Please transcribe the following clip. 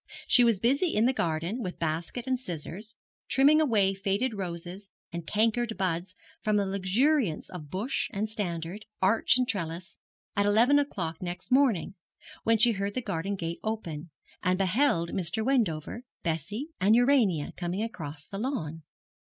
She was busy in the garden, with basket and scissors, trimming away fading roses and cankered buds from the luxuriance of bush and standard, arch and trellis, at eleven o'clock next morning, when she heard the garden gate open, and beheld Mr. Wendover, Bessie, and Urania coming across the lawn.